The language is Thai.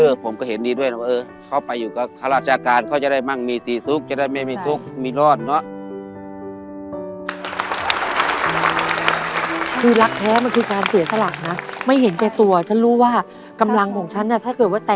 เราคิดถึงนะค่ะค่ะค่ะค่ะค่ะค่ะค่ะค่ะค่ะค่ะค่ะค่ะค่ะค่ะค่ะค่ะค่ะค่ะค่ะค่ะค่ะค่ะค่ะค่ะค่ะค่ะค่ะค่ะค่ะค่ะค่ะค่ะค่ะค่ะค่ะ